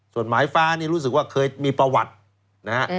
ส่วนหมายฟ้านี่รู้สึกว่าเคยมีประวัตินะฮะ